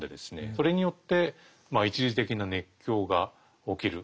それによって一時的な熱狂が起きる。